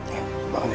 ya bangun ya